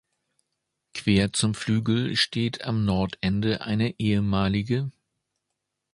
Quer zum Flügel steht am Nordende eine ehem.